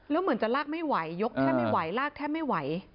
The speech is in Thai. แล้วเหมือนจะลากไม่ไหวยกแทบไม่ไหวลากแทบไม่ไหว